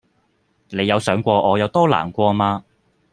你有想過我有多難過嗎